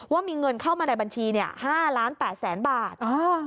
ว่ามีเงินเข้ามาในบัญชีเนี้ยห้าล้านแปดแสนบาทอ่า